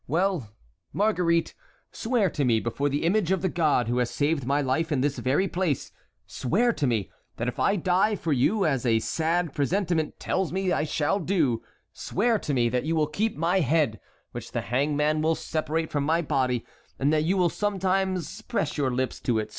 Well, Marguerite, swear to me before the image of the God who has saved my life in this very place, swear to me, that if I die for you, as a sad presentiment tells me I shall do, swear to me that you will keep my head, which the hangman will separate from my body; and that you will sometimes press your lips to it.